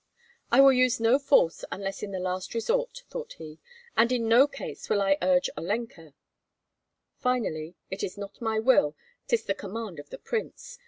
"I will use no force, unless in the last resort," thought he, "and in no case will I urge Olenka. Finally, it is not my will, 'tis the command of the prince.